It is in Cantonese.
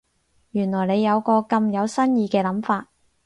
原來你有個咁有新意嘅諗法